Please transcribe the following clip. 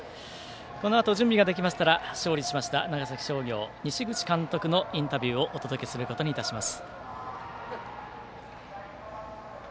このあと準備ができましたら勝利しました長崎商業の西口監督のインタビューをお届けすることにいたします。